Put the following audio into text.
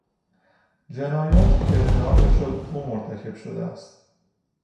جنایاتی که ادعا میشد او مرتکب شده است